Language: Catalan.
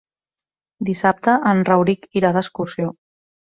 Dissabte en Rauric irà d'excursió.